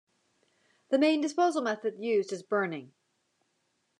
The main disposal method used is burning.